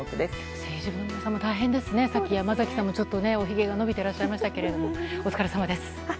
政治部の記者も大変ですね、さっき山崎さんもちょっとおひげが伸びてらっしゃいましたけど、お疲れさまです。